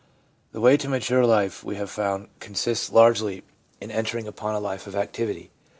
The way into mature life, we have found, consists largely in entering upon a life of activity.